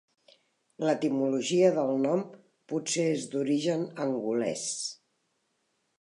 L'etimologia del nom potser és d'origen angolès.